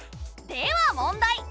では問題！